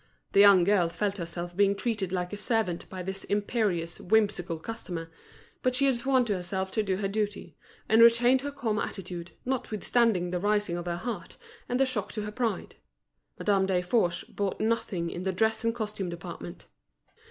The young girl felt herself being treated like a servant by this imperious, whimsical customer; but she had sworn to herself to do her duty, and retained her calm attitude, notwithstanding the rising of her heart and the shock to her pride. Madame Desforges bought nothing in the dress and costume department.